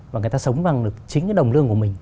và người ta sống bằng được chính cái đồng lương của mình